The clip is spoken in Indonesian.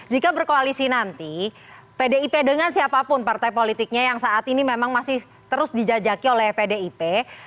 jika berkoalisi nanti pdip dengan siapapun partai politiknya yang saat ini memang masih terus dijajaki oleh pdip